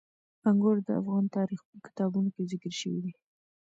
انګور د افغان تاریخ په کتابونو کې ذکر شوي دي.